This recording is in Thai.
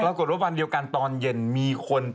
ราคุณว่าวันเดียวกันตอนเย็นมีคนไปคับ